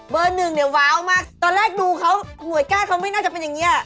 หนึ่งเนี่ยว้าวมากตอนแรกดูเขาหวยใกล้เขาไม่น่าจะเป็นอย่างนี้